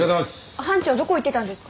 班長どこ行ってたんですか？